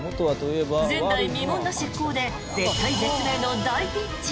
前代未聞の執行で絶体絶命の大ピンチ！